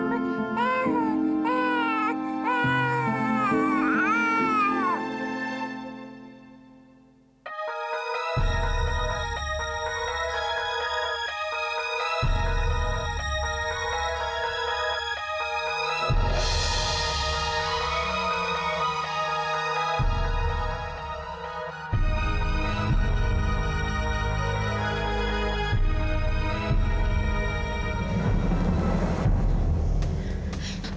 aku mau jalan dulu